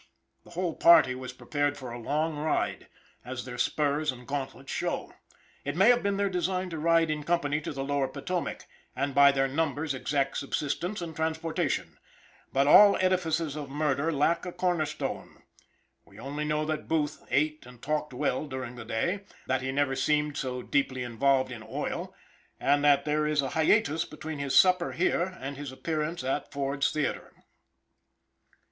The whole party was prepared for a long ride, as their spurs and gauntlets show. It may have been their design to ride in company to the Lower Potomac, and by their numbers exact subsistence and transportation; but all edifices of murder lack a corner stone. We only know that Booth ate and talked well during the day; that he never seemed so deeply involved in 'oil,' and that there is a hiatus between his supper here and his appearance at Ford's theater.